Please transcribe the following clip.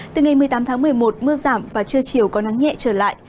từ ngày một mươi tám tháng một mươi một mưa giảm và trưa chiều có nắng nhẹ trở lại